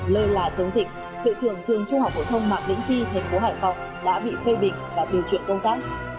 lời là chống dịch cựu trưởng trường trung học hội thông mạc đĩnh chi thành phố hải phòng đã bị phê bình và tiêu chuyển công tác